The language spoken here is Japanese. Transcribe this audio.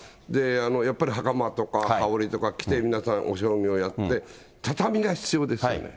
やっぱりはかまとか、羽織とか着て、皆さんお将棋をやって、畳が必要ですよね。